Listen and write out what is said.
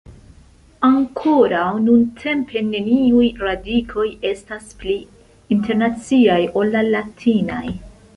Ankoraŭ nuntempe, neniuj radikoj estas pli internaciaj ol la latinaj.